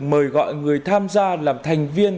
mời gọi người tham gia làm thành viên